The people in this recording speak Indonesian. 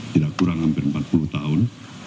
tidak kurang hampir empat puluh tahun